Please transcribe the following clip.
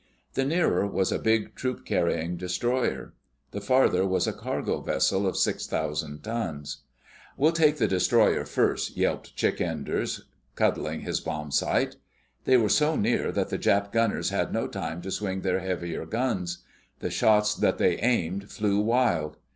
The nearer was a big, troop carrying destroyer. The farther was a cargo vessel of six thousand tons. "We'll take the destroyer first," yelped Chick Enders, cuddling his bombsight. They were so near that the Jap gunners had no time to swing their heavier guns. The shots that they aimed flew wild.